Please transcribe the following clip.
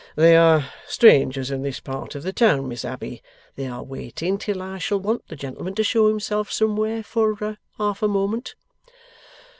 'They are strangers in this part of the town, Miss Abbey. They are waiting till I shall want the gentleman to show himself somewhere, for half a moment.